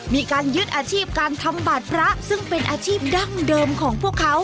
มีการยึดอาชีพการทำบาดพระซึ่งเป็นอาชีพดั้งเดิมของพวกเขา